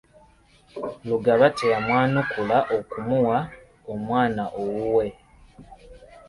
Lugaba teyamwanukula okumuwa omwana owuwe.